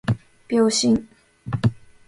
秒針